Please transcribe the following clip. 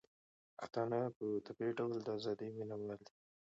پښتانه په طبيعي ډول د ازادۍ مينه وال دي.